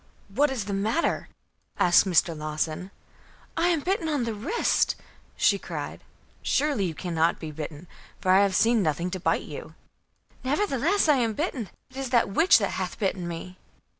"What is the matter?" asked Mr. Lawson. "I am bitten on the wrist," she cried. "Surely you cannot be bitten, for I have seen nothing to bite you." "Nevertheless, I am bitten. It is a witch that hath bitten me."